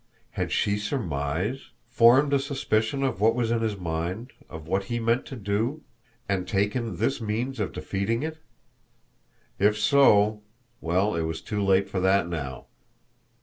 Had she surmised, formed a suspicion of what was in his mind, of what he meant to do and taken this means of defeating it? If so well, it was too late for that now!